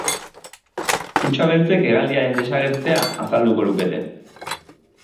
Kutxa beltzek hegaldiaren desagertzea azalduko lukete.